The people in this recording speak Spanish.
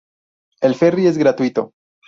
El ferry es gratuito.